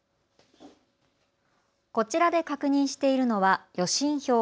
こちらで確認しているのは予診票。